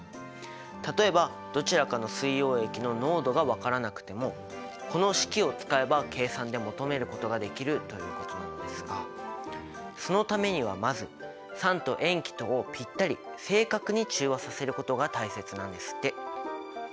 例えばどちらかの水溶液の濃度がわからなくてもこの式を使えば計算で求めることができるということなのですがそのためにはまず酸と塩基とをぴったり正確に中和させることが大切なんですって。